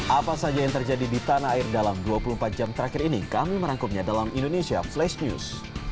apa saja yang terjadi di tanah air dalam dua puluh empat jam terakhir ini kami merangkumnya dalam indonesia flash news